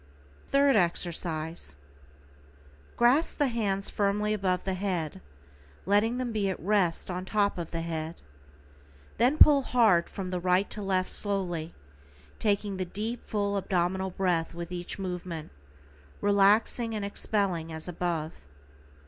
=THIRD EXERCISE:= Grasp the hands firmly above the head, letting them be at rest on top of the head. Then pull hard from right to left slowly, taking the deep, full abdominal breath with each movement, relaxing and expelling as above.